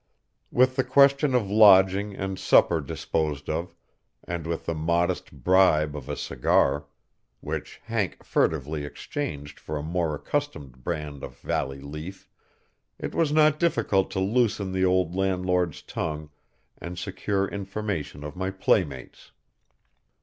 With the question of lodging and supper disposed of, and with the modest bribe of a cigar, which Hank furtively exchanged for a more accustomed brand of valley leaf, it was not difficult to loosen the old landlord's tongue and secure information of my playmates.